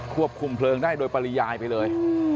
ควบคุมเพลิงได้โดยปริยายไปเลย